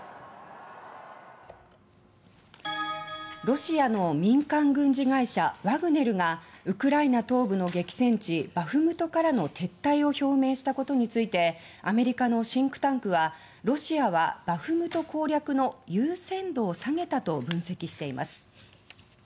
ロシアの民間軍事会社ワグネルがウクライナ東部の激戦地バフムトからの撤退を表明したことについてアメリカのシンクタンクはロシアはバフムト攻略の優先度を下げたと分析しています。